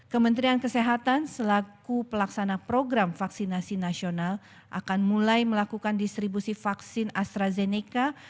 kementerian kesehatan selaku pelaksana program vaksinasi nasional akan mulai melakukan distribusi vaksin astrazeneca